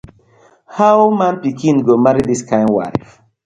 How man pikin go marry dis kind wife.